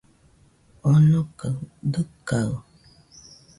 Onokaɨ dɨkaɨ